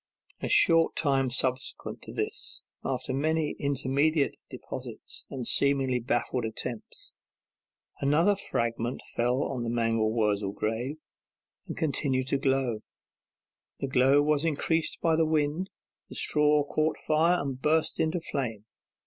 A short time subsequent to this, after many intermediate deposits and seemingly baffled attempts, another fragment fell on the mangel wurzel grave, and continued to glow; the glow was increased by the wind; the straw caught fire and burst into flame.